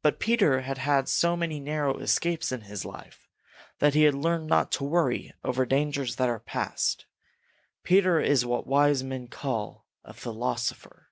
But Peter had had so many narrow escapes in his life that he had learned not to worry over dangers that are past. Peter is what wise men call a phi los o pher.